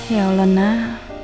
ya allah nah